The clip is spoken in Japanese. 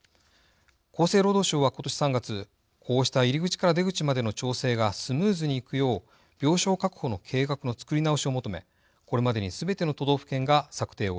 厚生労働省はことし３月こうした入り口から出口までの調整がスムーズにいくよう病床確保の計画の作り直しを求めこれまでにすべての都道府県が策定を終えました。